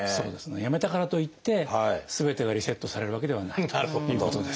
やめたからといってすべてがリセットされるわけではないということです。